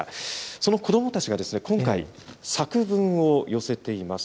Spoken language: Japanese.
その子どもたちが今回、作文を寄せています。